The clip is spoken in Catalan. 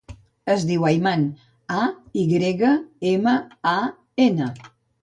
Es diu Ayman: a, i grega, ema, a, ena.